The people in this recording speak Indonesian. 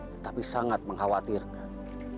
tetapi sangat mengkhawatirkan